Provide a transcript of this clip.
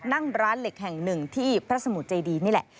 นั่งร้านเหล็กแห่งหนึ่งที่พระสมุทรเจดีนี่แหละ